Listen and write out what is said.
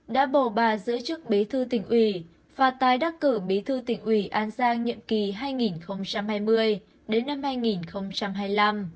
đã bầu bà giữ chức bí thư tỉnh ủy và tái đắc cử bí thư tỉnh ủy an giang nhiệm kỳ hai nghìn hai mươi đến năm hai nghìn hai mươi năm